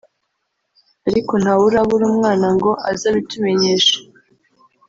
ariko ntawe urabura umwana ngo aze abitumenyeshe